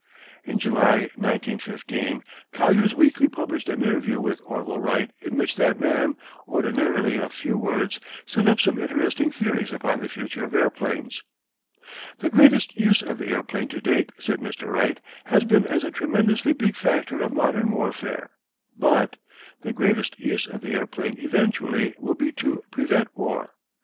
In July, 1915, Collier's Weekly published an interview with Orville Wright in which that man, ordinarily of few words, set up some interesting theories upon the future of airplanes. "The greatest use of the airplane to date," said Mr. Wright, "has been as a tremendously big factor of modern warfare. But "The greatest use of the airplane eventually will be to prevent war.